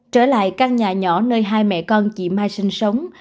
trở lại căn nhà nhỏ nơi hai mẹ con chị mai sinh sống